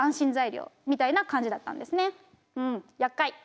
うんやっかい。